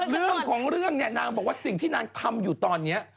เรื่องของเรื่องเนี่ยนางบอกว่าสิ่งที่นางทำอยู่ตอนนี้